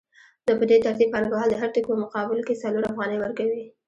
نو په دې ترتیب پانګوال د هر توکي په مقابل کې څلور افغانۍ ورکوي